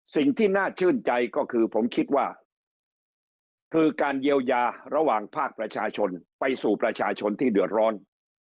สิ่งที่น่าชื่นใจก็คือผมคิดว่าคือการเยียวยาระหว่างภาคประชาชนไปสู่ประชาชนที่เดือดร้อน